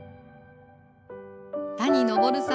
谷昇さん